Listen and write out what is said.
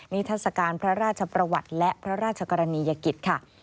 นิทธศการพระราชประวัตรและพระราชกรณียกิจ